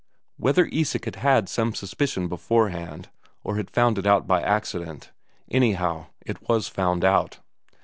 Whether Isak had had some suspicion beforehand, or had found it out by accident anyhow, it was found out.